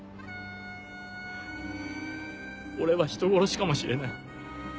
俺は人殺しかもしれない。